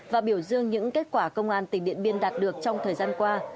và biểu dương những kết quả công an tỉnh điện biên đạt được trong thời gian qua